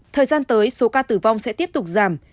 thời gian tới số ca tử vong sẽ tiếp tục giảm